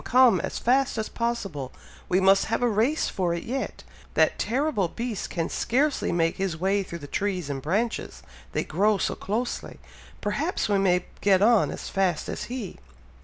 come! as fast as possible! we must have a race for it yet! That terrible beast can scarcely make his way through the trees and branches, they grow so closely! Perhaps we may get on as fast as he!"